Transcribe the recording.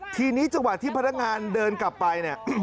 ทีนี้จังหวะที่พนักงานเดินกลับไปเนี่ย